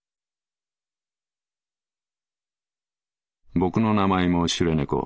「ボクの名前もシュレ猫。